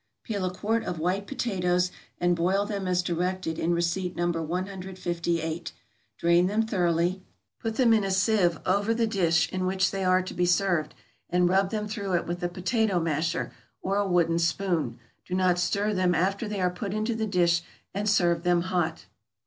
= Peel a quart of white potatoes, and boil them as directed in receipt No. 158; drain them thoroughly, put them in a sieve over the dish in which they are to be served, and rub them through it with a potato masher, or a wooden spoon; do not stir them after they are put into the dish, and serve them hot.